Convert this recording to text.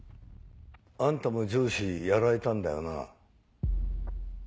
あんたも上司やられたんだよな。